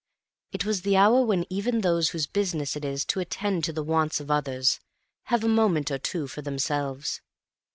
It was the hour when even those whose business it is to attend to the wants of others have a moment or two for themselves.